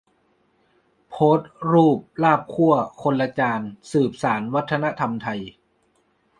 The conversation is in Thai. โพสต์รูปลาบคั่วคนละจานสืบสานวัฒนธรรมไทย